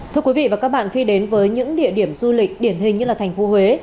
thưa quý vị và các bạn khi đến với những địa điểm du lịch điển hình như là thành phố huế